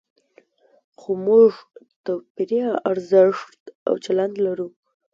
خو موږ توپیري ارزښت او چلند لرو.